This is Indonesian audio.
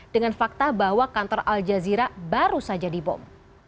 dengan fakta bahwa kantor al jazeera baru saja dibom